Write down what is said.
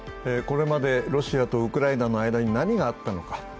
これまでロシアとウクライナの間に何があったのか。